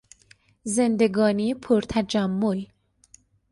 زندگانی پر تجمل